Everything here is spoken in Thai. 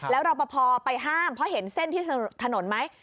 แล้วรอปภไปห้ามเพราะเห็นเส้นที่ถนนไหม